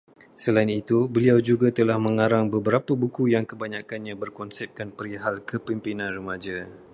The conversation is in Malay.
Selain itu, beliau juga telah mengarang beberapa buku yang kebanyakkannya berkonsepkan perihal kepemimpinan remaja